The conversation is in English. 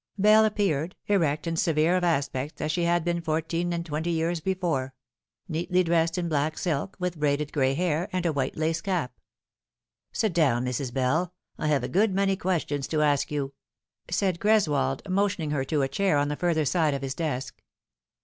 Bell appeared, erect and severe of aspect as she had been f our and twenty years before ; neatly dressed in black silk, with braided gray hair, and a white lace cap. " Sit down, Mrs. Bell, I have a good many questions to ask you," naid Greswold, motioning her to a chair on the further side of his desk.